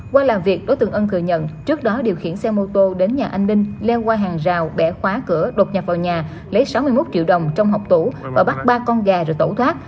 qua làm việc đối tượng ân thừa nhận trước đó điều khiển xe mô tô đến nhà anh minh leo qua hàng rào bẻ khóa cửa đột nhập vào nhà lấy sáu mươi một triệu đồng trong học tủ và bắt ba con gà rồi tẩu thoát